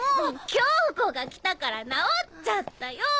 恭子が来たから治っちゃったよ！